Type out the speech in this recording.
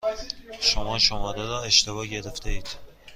شما شماره را اشتباه گرفتهاید.